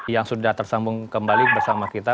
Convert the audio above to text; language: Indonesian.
yang sudah tersambung kembali bersama kita